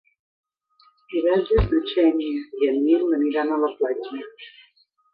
Divendres na Xènia i en Nil aniran a la platja.